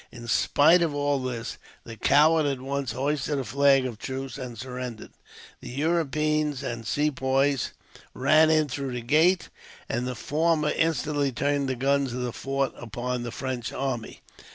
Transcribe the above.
In spite of all this, the coward at once hoisted a flag of truce, and surrendered. The Europeans and Sepoys ran in through the gate, and the former instantly turned the guns of the fort upon the French army.